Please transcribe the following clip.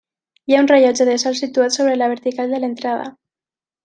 Hi ha un rellotge de sol situat sobre la vertical de l'entrada.